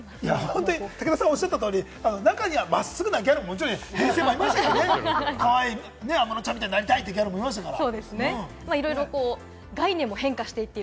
武田さんがおっしゃった通り、中には真っすぐなギャルも、もちろん平成もいましたけれどもね、かわいい安室ちゃんみたいになりたいっていうギャルいましたから。